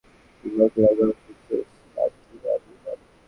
মেঘালয়ার governor Mrs Sathiyarani.